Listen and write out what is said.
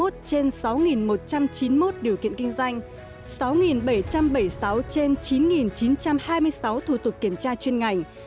ba bốn trăm năm mươi một trên sáu một trăm chín mươi một điều kiện kinh doanh sáu bảy trăm bảy mươi sáu trên chín chín trăm hai mươi sáu thủ tục kiểm tra chuyên ngành